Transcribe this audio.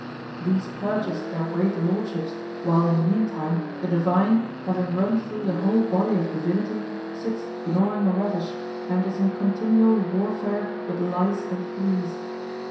These purchase their great lordships, while in the meantime the divine, having run through the whole body of divinity, sits gnawing a radish and is in continual warfare with lice and fleas.